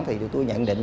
thì chúng tôi nhận định